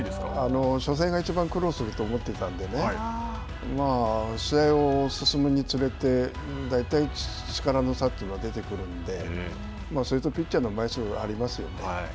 初戦がいちばん苦労すると思っていたんでね試合が進むにつれて大体力の差というのは出てくるんでそれとピッチャーの枚数がありますよね。